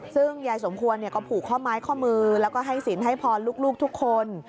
ซึ่งยายสมควรก็ผูกข้อไม้ข้อมือแล้วก็ให้สินให้พรลูกทุกคน